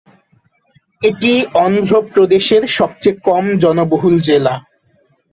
এটি অন্ধ্র প্রদেশের সবচেয়ে কম জনবহুল জেলা।